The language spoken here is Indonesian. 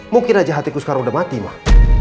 mungkin raja hatiku sekarang udah mati mah